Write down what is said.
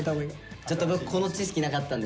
ちょっと僕この知識なかったんで。